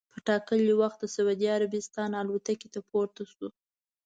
په ټا کلي وخت د سعودي عربستان الوتکې ته پورته سو.